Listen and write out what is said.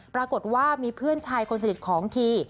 ปรากฏว่ามีเพื่อนชายคนสนิทของที